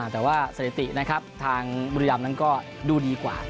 แต่ว่าสถิตินะครับทางบุรีรำนั้นก็ดูดีกว่า